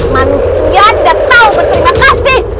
manusia tidak tahu berterima kasih